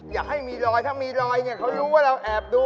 อย่าให้มีรอยถ้ามีรอยเนี่ยเขารู้ว่าเราแอบดู